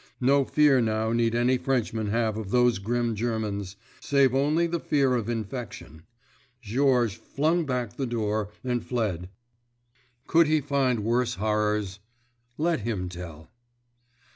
No fear now need any Frenchman have of those grim Germans—save only the fear of infection. Georges flung back the door and fled. Could he find worse horrors? Let him tell.